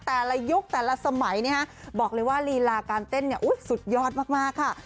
แต่ละยุคแต่ละสมัยบอกเลยว่ารีลาการเต้นสุดยอดมากค่ะ